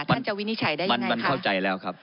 ท่านจะวินิจัยได้ยังไง